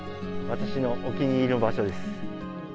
私のお気に入りの場所です。